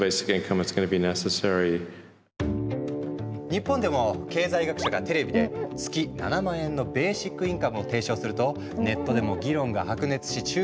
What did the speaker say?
日本でも経済学者がテレビで月７万円のベーシックインカムを提唱するとネットでも議論が白熱し注目を集めた。